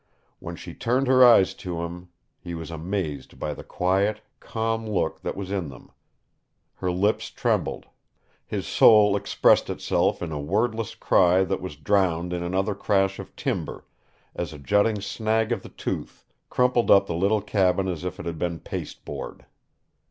When she turned her eyes to him, he was amazed by the quiet, calm look that was in them. Her lips trembled. His soul expressed itself in a wordless cry that was drowned in another crash of timber as a jutting snag of the Tooth crumpled up the little cabin as if it had been pasteboard.